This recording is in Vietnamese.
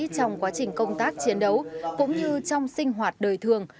trong quá trình công tác chiến đấu cũng như trong sinh hoạt đời thường